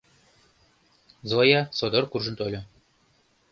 — Зоя содор куржын тольо.